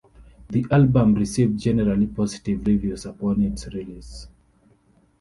The album received generally positive reviews upon its release.